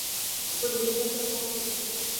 উপযুক্ত শাস্তি অসমাপ্তই থাকে।